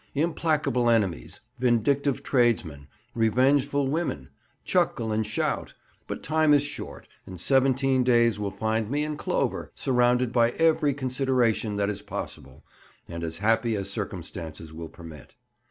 Implacable enemies, vindictive tradesmen, revengeful women, chuckle and shout; but time is short, and seventeen days will find me in clover, surrounded by every consideration that is possible, and as happy as circumstances will permit.